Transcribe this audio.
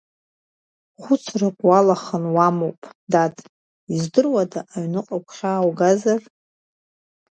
Хуцрак уалахалан уамоуп, дад, издыруада аҩныҟа гухьааугазар?